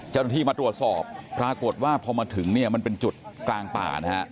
เจ้าหน้าที่มาตรวจสอบปรากฏว่าพอมาถึงเนี่ยมันเป็นจุดกลางป่านะฮะ